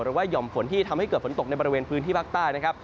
หย่อมฝนที่ทำให้เกิดฝนตกในบริเวณพื้นที่ภาคใต้นะครับ